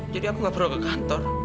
jadi aku nggak perlu ke kantor